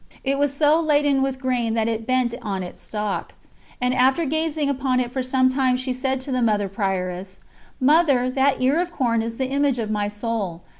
It was so laden with grain that it bent on its stalk, and after gazing upon it for some time she said to the Mother Prioress: "Mother, that ear of corn is the image of my soul.